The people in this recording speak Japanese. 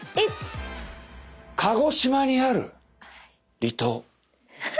鹿児島にある離島。